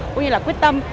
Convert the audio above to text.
cũng như là quyết tâm